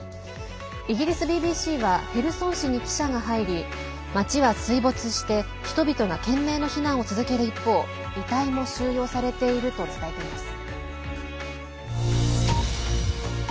イギリスＢＢＣはヘルソン市に記者が入り町は水没して人々が懸命の避難を続ける一方遺体も収容されていると伝えています。